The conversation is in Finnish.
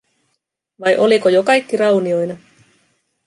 Vai oliko jo kaikki raunioina?